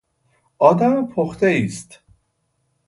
آد م پخته ایست